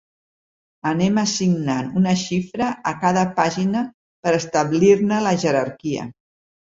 Anem assignant una xifra a cada pàgina per establir-ne la jerarquia.